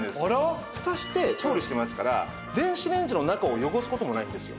ふたして調理してますから電子レンジの中を汚す事もないんですよ。